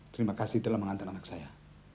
terima kasih telah mengantar anak saya